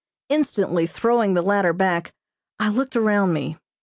Instantly throwing the latter back, I looked around me.